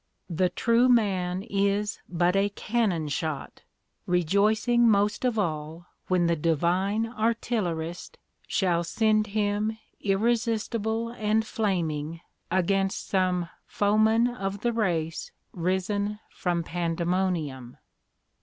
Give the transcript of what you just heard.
"The true man is but a cannon shot, rejoicing most of all when the Divine Artillerist shall send him irresistible and flaming against some foeman of the race risen from Pandemonium.